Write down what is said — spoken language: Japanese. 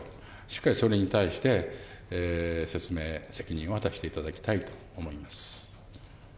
しっかりそれに対して、説明責任を果たしていただきたいと思います。